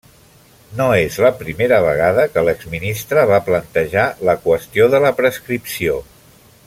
No és la primera vegada que l'exministre va plantejar la qüestió de la prescripció.